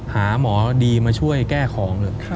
หาหมอดีมาช่วยแก้ของเลย